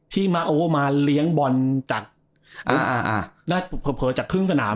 ที่มาเอามาเลี้ยงบอลจากเผลอจากเครื่องศาลนะครับ